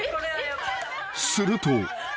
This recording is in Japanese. ［すると］